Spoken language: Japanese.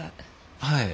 はい。